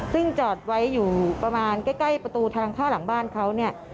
ซึ่งจอดไว้อยู่ประมาณใกล้ประตูทางเข้าหลังบ้านเขาเนี่ย